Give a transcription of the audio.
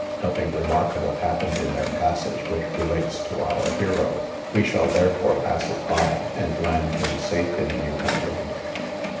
Nothing remarkable happened in their passage which relates to our hero; we shall therefore pass it by, and land him safe in Newfoundland.